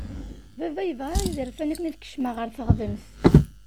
Baba yebɣa izerfan akken ad kecmeɣ ɣer teɣdemt.